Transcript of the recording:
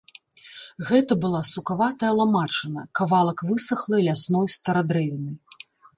Гэта была сукаватая ламачына, кавалак высахлай лясной старадрэвіны.